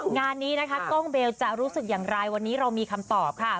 งานนี้นะคะกล้องเบลจะรู้สึกอย่างไรวันนี้เรามีคำตอบค่ะ